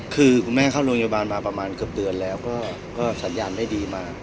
คือคุณแม่เข้าโรงพยาบาลมาประมาณเกือบเดือนแล้วก็สัญญาณได้ดีมาก